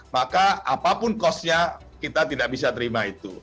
maka apapun costnya kita tidak bisa terima itu